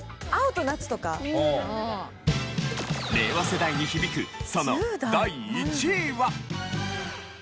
令和世代に響くその第１位は。